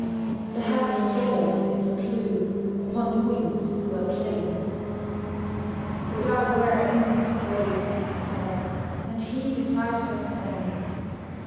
The happy swallows in the blue Upon the winds were playing. "Would I were in his grave," I said, "And he beside her standing!"